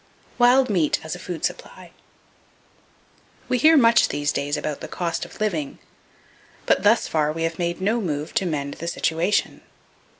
Wild Meat As A Food Supply. —We hear much these days about the high cost of living, but thus far we have made no move to mend the situation.